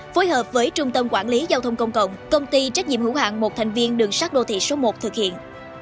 phối hợp với trung tâm quản lý giao thông công cộng công ty trách nhiệm hữu hạng một thành viên đường sát đô thị số một thực hiện